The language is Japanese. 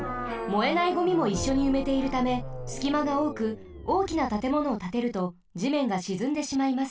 燃えないゴミもいっしょにうめているためすきまがおおくおおきなたてものをたてるとじめんがしずんでしまいます。